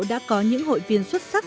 đã có những hội viên xuất sắc